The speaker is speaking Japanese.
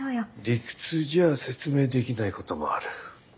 理屈じゃあ説明できないこともある。